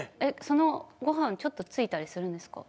そのご飯はちょっとついたりするんですか？